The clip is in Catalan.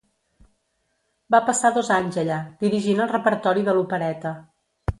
Va passar dos anys allà, dirigint el repertori de l'opereta.